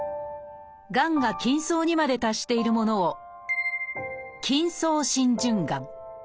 がんが筋層にまで達しているものを「筋層浸潤がん」。